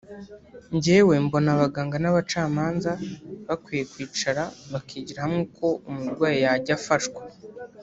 njyewe mbona abaganga n’abacamanza bakwiye kwicara bakigira hamwe uko umurwayi yajya afashwa”